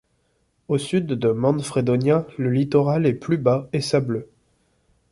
Au sud de Manfredonia, le littoral est plus bas et sableux.